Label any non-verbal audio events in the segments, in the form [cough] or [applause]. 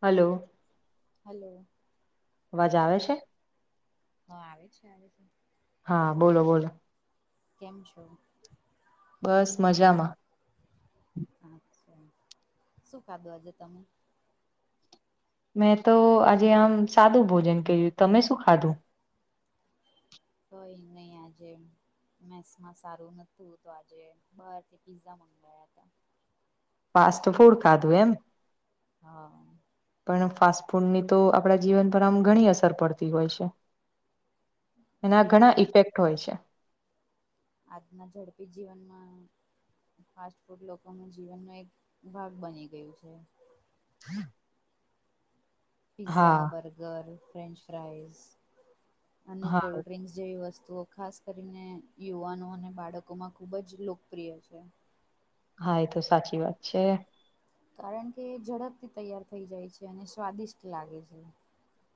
Hello. Hello. અવાજ આવે છે? હા આવે છે ને. હા બોલો બોલો. કેમ છો? બસ મજામાં. શું ખાધું આજે તમે? મેં તો આજે આમ સાદું ભોજન કર્યું તમે શું ખાધું? કઈ નઈ આજે મેસમાં સારું નતું તો આજે બહાર થી પીઝા મંગાયા તા. ફાસ્ટ ફૂડ ખાધું એમ? હા. પણ ફાસ્ટ ફૂડની તો આપણા જીવન પર આમ ઘણી અસર પડતી હોય છે. એના હા ઘણા ઈફેક્ટ હોય છે. આજના ઝડપી જીવનમાં ફાસ્ટ ફૂડ લોકો ના જીવનનો એક ભાગ બની ગયું છે. [unintelligible] હા પીઝા બર્ગર ફ્રેન્ચ ફ્રાઈસ. અને હા કોલ્ડ્રિંક્સ જેવી વસ્તુઓ ખાસ કરીને યુવાનો અને બાળકોમાં ખૂબ જ લોકપ્રિય છે. હા એ તો સાચી વાત છે. કારણ કે ઝડપથી તૈયાર થઈ જાય છે અને સ્વાદિષ્ટ લાગે છે.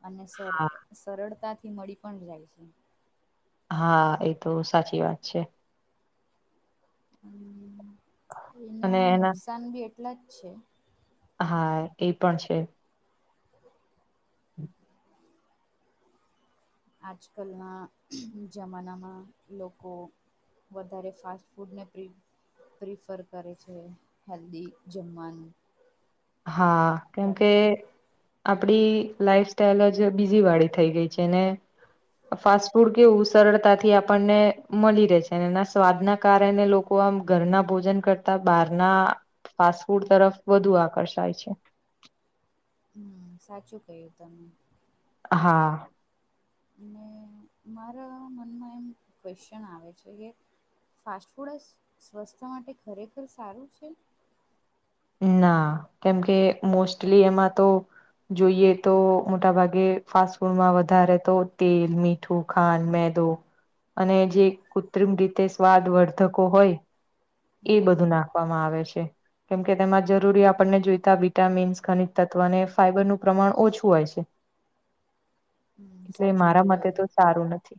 અને સર હા સરળતાથી મળી પણ જાય છે. હા એ તો સાચી વાત છે. હમ્મ એના નુકસાન બી એટલા જ છે. હા એ પણ છે. આજ કલના જમાનામાં લોકો વધારે ફાસ્ટ ફૂડ ને પ્રિ પ્રિફર કરે છે હેલ્દી જમવાનું. હા, કેમકે કરતાં આપણી લાઈફસ્ટાઈલ જ બીજી વાળી થઈ ગઈ છે ને ફાસ્ટ ફૂડ કેવું સરળતાથી આપણને મલી રેહ છે એના સ્વાદના કારણે લોક કો આમ ઘરના ભોજન કરતા બાર ના ફાસ્ટ ફૂડ તરફ વધુ આકર્ષાય છે. હમ્મ સાચું કહ્યું તમે. હા. અને મારા મનમાં એમ ક્વેશ્ચન આવે છે કે ફાસ્ટફૂડ જ સ્વસ્થય માટે ખરેખર સારું છે? ના. કેમકે મોસ્ટલી એમાં તો જોઈએ તો મોટા ભાગે ફાસ્ટફૂડમાં વધારે તો તેલ મી ઠું, ખાંડ, મેંદો અને જે કૃત્રિમ રીતે સ્વાદવર્ધકો હોય હમ એઈમ બધું નાખવામાં આવે છે. કેમ કે તેમાં જરૂરી આપણને જોઈતા વિટામીન્સ, ખનિજતત્વ અને ફાઈબરનું પ્રમાણ ઓછું હોય છે. હમ એટલે સાચું મારા મતે કહ્યું તો સારું નથી.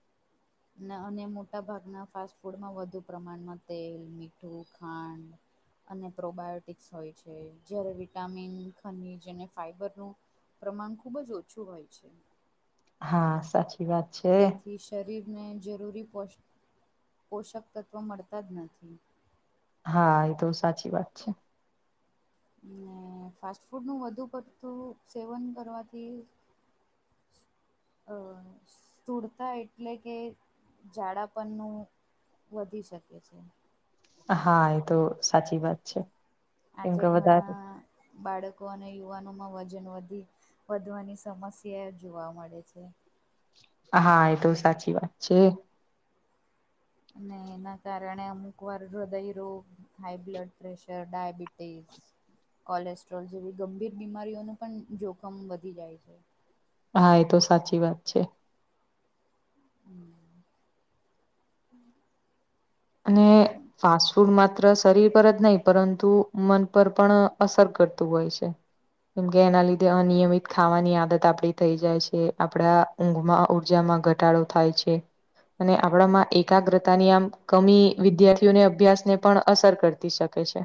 [unintelligible] અને મોટા ભાગના ફાસ્ટફૂડમાં વધુ પ્રમાણમાં તેલ, મીઠું, ખાંડ અને પ્રોબાયોટિક્સ હોય છે. જ્યારે વિટામિન, ખનીજ અને ફાઈબરનું પ્રમાણ ખુબ જ ઓછું હોય છે. હા. સાચી વાત. છે તેથી શરીરને જરૂરી પોષ પોષકતત્ત્વો મળતા જ નથી. હા, ઈ તો સાચી વાત છે. ને ફાસ્ટ ફૂડનું વધુ પડતું સેવન કરવાથી અહ સ્થૂળતા એટલે કે જાડાપનું વધી શકે છે. હા, એ તો સાચી વાત છે. કેમ આજે કે વધારે ઘણા બાળકો અને યુવાનોમાં વજન વધી વધવાની સમસ્યા જોવા મળે છે. હા, એ તો સાચી વાત છે. અને એના કારણે અમુકવાર હૃદય રોગ હાઈબ્લડ પ્રેશર, ડાયાબિટીઝ કોલેસ્ટ્રોલ જેવી ગંભીર બીમારીઓનું પણ જોખમ વધી જાય છે. હા, એ તો સાચી વાત છે. હમ્મ. અને ફાસ્ટફૂડ માત્ર શરીર પર જ નહીં પરંતુ મન પર પણ અસર કરતું હોય છે. કેમ કે એના લીધે અનિયમિત ખાવાની આદત આપડી થઈ જાય છે. આપડા ઊંઘમાં ઉર્જામાં ઘટાડો થાય છે. અને આપણામાં એકાગ્રતાની આમ કમી વિદ્યાર્થીઓને અભ્યાસને પણ અસર કરતી શકે છે.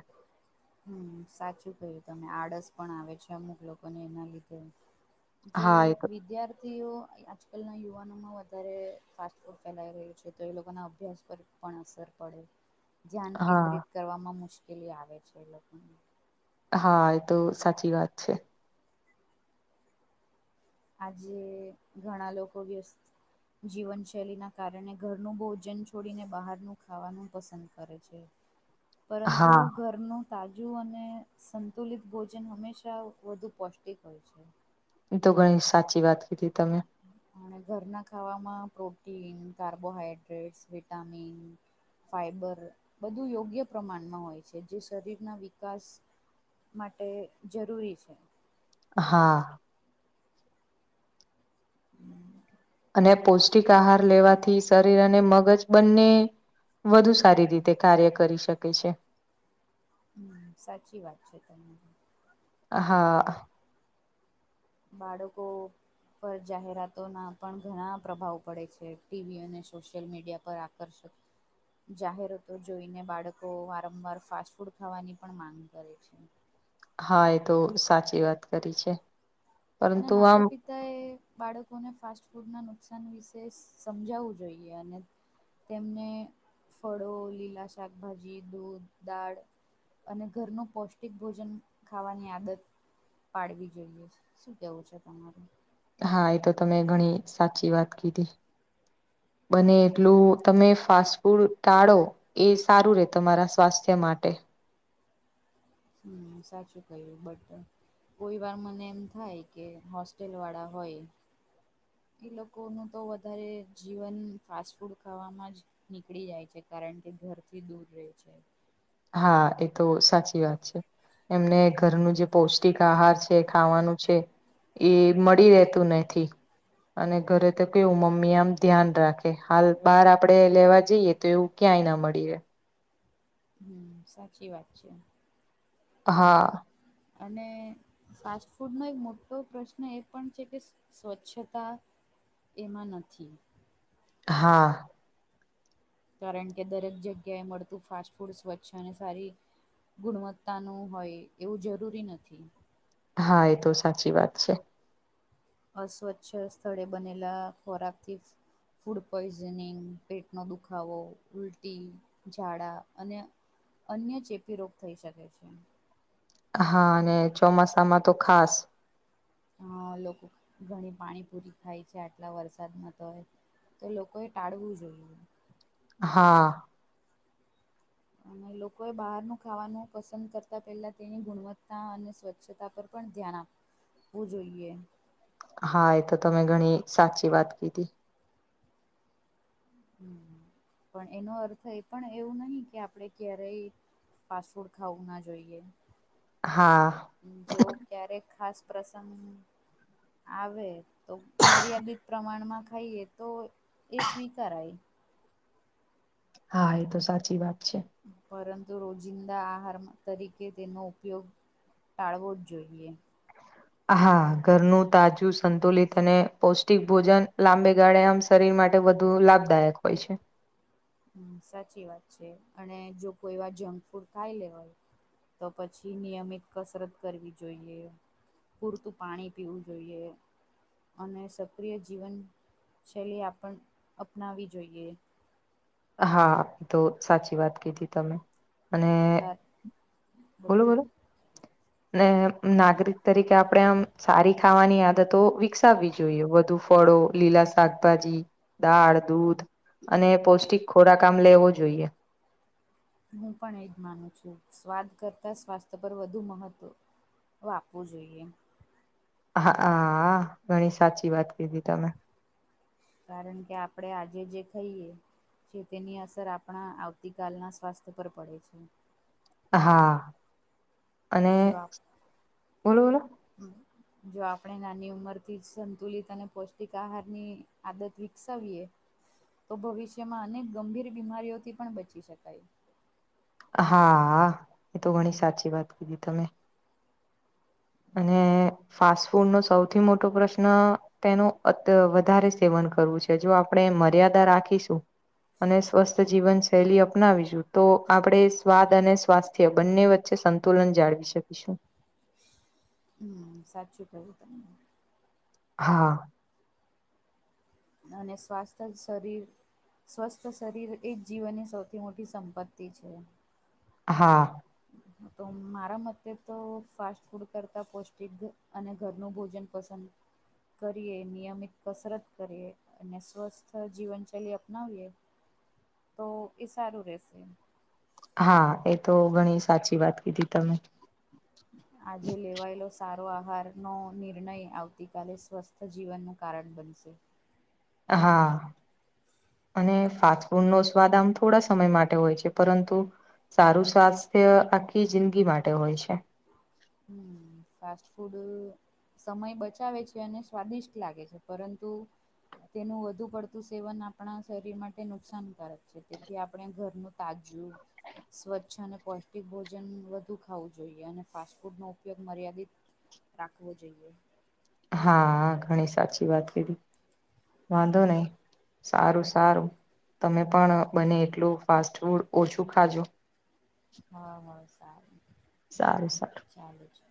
હમ્મ. સાચું કહ્યું તમે. આળસ પણ આવે છે અમુક લોકોને એના લીધે. જે હા એ વિદ્યાર્ થીઓ આજકાલના યુવાનોમાં વધારે ફાસ્ટફૂડ ફેલાઈ રહ્યું છે. તો એ લોકોના અભ્યાસ પર પણ અસર પડે. ધ્યાન હા કેન્દ્રિત કરવામાં મુશ્કેલી આવે છે એ લોકોને. હા, એ તો સાચી વાત છે. આજે ઘણા લોકો વ્યસ્ત જીવનશૈલીના કારણે ઘરનું ભોજન છોડીને બહારનું ખાવાનું પસંદ કરે છે. પરંતુ હા ઘર નું તાજું અને સંતુલિત ભોજન હંમેશા વધુ પૌષ્ટિક હોય છે. ઈતો ઘણી સાચી વાત કીધી તમે. અને ઘરના ખાવામાં પ્રોટીન, કાર્બોહાઈડ્રેટ્સ, વિટામિન ફાઈબર બધું યોગ્ય પ્રમાણમાં હોય છે. જે શરીરના વિકાસ માટે જરૂરી છે. હા. હમ્મ. અને પૌષ્ટિક આહાર લેવાથી શરીર અને મગજ બંને વધુ સારી રીતે કાર્ય કરી શકે છે. હમ સાચી વાત છે તને હાઅ. બાળકો પર જાહેરાતો ના પણ ઘણા પ્રભાવ પડે છે ટીવી અને સોશિયલ મીડિયા પર કરર્ષક જાહેરાતો જોઈને બાળકો વારંવાર ફાસ્ટફૂડ ખાવાની પણ માંગ કરે છે. હા એ તો સાચી વાત કરી છે. અને પરંતુ આમ માતા પિતા એ બાળકોને ફાસ્ટ ફૂડના નુકસાન વિશે સમજાવવું જોઈએ અને તેમને ફળો લીલા શાકભાજી દૂધ દાળ અને ઘરનું પૌષ્ટિક ભોજન ખાવાની આદત પાડવી જોઈએ. શું કવું છે તમારે હા એ તો તમે ઘણી સાચી વાત કીધી. બને એટલું તમે ફાસ્ટ ફૂડ ટાળો એ સારું રે તમારા સ્વાસ્થ્ય માટે હમ સાચું કયું બટ કોઈ વાર મને એમ થાય કે હોસ્ટેલ વાળા હોય. એ લોકોનું તો વધારે જીવન ફાસ્ટ ફૂડ ખાવામાં જ નીકળી જાય છે કારણ કે ઘરથી દૂર રહે છે. હા એ તો સાચી વાત છે. એમને ઘરનું જે પૌષ્ટિક આહાર છે ખાવાનું છે. એ મળી રહેતું નથી. અને ઘરે તો કેવું મમ્મી આમ ધ્યાન રાખે હાલ બાર આપડે લેવા જઈએ તો એવું. ક્યાંય ના મળીએ હમ સાચી વાત છે. હા. અને. ફાસ્ટ ફૂડ નો એક મોટો પ્રશ્ન એ પણ છે કે સ્વચ્છતા એમાં નથી. હા કારણ કે દરેક જગ્યાએ મળતું ફાસ્ટ ફૂડ સ્વચ્છ અને સારી ગુણવત્તાનું હોય એવું જરૂરી નથી. હા એ તો સાચી વાત છે. અસ્વચ્છ સ્થળે બનેલા ખોરાકથી. ફૂડ પોઈઝનિંગ પેટનો દુખાવો ઉલટી ઝાડા અને અન્ય ચેપી રોગ થઈ શકે છે. હા અને ચોમાસામાં તો ખાસ હા અ લોકો ઘણી પાણી પૂરી થાય છે આટલા વરસાદમાં તો હોય. તો લોકોએ ટાળવું જોઈએ. હા. અને લોકોએ બહારનું ખાવાનું પસંદ કરતાં પહેલાં તેની ગુણવત્તા અને સ્વચ્છતા પર પણ ધ્યાન આપવું જોઈએ. હા એ તો તમે ઘણી સાચી વાત કીધી હમ પણ એનો અર્થ એ પણ એવું નહી કે આપડ ક્યારેય ફાસ્ટ ફૂડ ખાવું ના જોઈએ. હા. જો ક્યારેક ખાસ પ્રસંગ આવે. તો મર્યાદિત પ્રમાણમાં ખાઈએ તો એ સ્વીકારાય. હા એ તો સાચી વાત છે. પરંતુ રોજિંદા આહાર તરીકે તેનો ઉપયોગ ટાળવો જ જોઈએ. હા ઘરનું તાજું સંતુલિત અને પૌષ્ટિક ભોજન લાંબે ગાળે આમ શરીર માટે વધુ લાભદાયક હોય છે. હમ્મ સાચી વાત છે અને જો કોઈ એવા જંક ફૂડ ખાઈ લે હોય, તો પછી નિયમિત કસરત કરવી જોઈએ. પૂરતું પાણી પીવું જોઈએ. અને સક્રિય જીવનશૈલી આપણ અપનાવી જોઈએ. હા તો સાચી વાત કીધી તમે. અને, કાર બોલો બોલો. ને નાગરિક તરીકે આપણેે આમ સારી ખાવાની આદત તો વિકસાવવી જોઈએ વધુ ફળો, લીલા શાકભાજી, દાળ, દૂધ. અને પૌષ્ટિક ખોરાક આમ લેવો જોઈએ. હું પણ એ જ માનું છું સ્વાદ કરતા સ્વાસ્થ્ય પર વધુ મહત્ત્વ આપવું જોઈએ. હા હા ઘણી સાચી વાત કીધી તમે. કારણ કે આપણેે આજે જે ખાઈએ. જે તેની અસર આપણા આવતીકાલના સ્વાસ્થ્ય પર પડે છે. હા, અને, બોલો બોલો. હમ્મ. જો આપણે નાની ઉંમર થી સંતુલિત અને પૌષ્ટિક આહારની આદત વિકસાવીએ. તો ભવિષ્યમાં અનેક ગંભીર બીમારીઓથી પણ બચી શકાય. હા, એ તો ઘણી સાચી વાત કીધી તમે. અને ફાસ્ટ ફૂડનો સૌથી મોટો પ્રશ્ન તેનું અ વધારે સેવન કરવું છે જો આપણે મર્યાદા રાખીશું. અને સ્વસ્થ જીવન શૈલી અપનાવીશું તો આપણે સ્વાદ અને સ્વાસ્થ બંને વચ્ચે સંતુલન જાળવી શકીશું. હમ્મ સાચું કહ્યું તમે. હા. અને સ્વાસ્થ્ય શરીર સ્વસ્થ શરીર એ જ જીવનની સૌથી મોટી સંપત્તિ છે. હા. [inaudible] તો મારા મતે તો ફાસ્ટ ફૂડ કરતાં પૌષ્ટિક અને ઘરનું ભોજન પસંદ કરીએ નિયમિત કસરત કરીએ અને સ્વસ્થ જીવનશૈલી અપનાવીએ. તો એ સારું રેશે એમ. હા એ તો ઘણી સાચી વાત કીધી તમે. આજે લેવાયેલો સારો આહારનો નિર્ણય આવતીકાલે સ્વસ્થ સજીવનનું કારણ બનશે. હા. અને ફાસ્ટ ફૂડ નો સ્વાદ આમ થોડા સમય માટે હોય છે પરંતુ સારું સ્વાસ્થ્ય આખી જિંદગી માટે હોય છે. હમ્મ ફાસ્ટ ફુડ, સમય બચાવે છે અને સ્વાદિષ્ટ લાગે છે પરંતુ તેનું વધુ પડતું સેવન આપણા શરીર માટે નુકસાનકારક છે તેથી આપણે ઘરનું તાજું સ્વચ્છ અને પૌષ્ટિક ભોજન વધુ ખાવું જોઈએ અને ફાસ્ટ -ફૂડનો ઉપયોગ મર્યાદિત રાખવો જોઈએ. હા ઘણી સાચી વાત કીધી વાંધો નહી. સારું સારું તમે પણ બને એટલું ફાસ્ટ ફૂડ ઓછું ખાજો. હ હ સારું સારું સારું. ચાલુ છે.